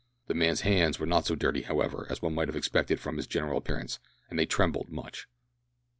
The man's hands were not so dirty, however, as one might have expected from his general appearance, and they trembled much.